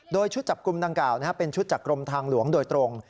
โดยชุดจับกลุ่มดังกล่าวเป็นชุดจากกรมทางหลวงโดยตรง